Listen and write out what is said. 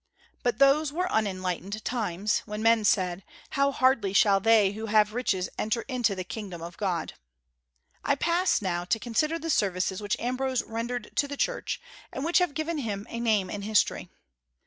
But those were unenlightened times, when men said, "How hardly shall they who have riches enter into the kingdom of God." I pass now to consider the services which Ambrose rendered to the Church, and which have given him a name in history.